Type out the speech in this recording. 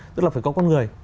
tức là phải có con người